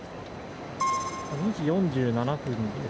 ２時４７分です。